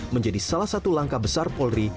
menjadi salah satu langkah besar polri